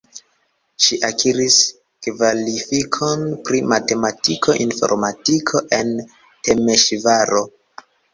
Ŝi akiris kvalifikon pri matematiko-informadiko en Temeŝvaro.